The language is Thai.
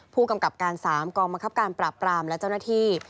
ผู้กำกับการ๓กองบังคับการปราบปรามและเจ้าหน้าที่